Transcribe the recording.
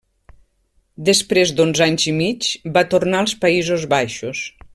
Després d'onze anys i mig va tornar als Països Baixos.